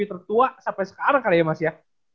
tertua sampai sekarang kali ya mas ya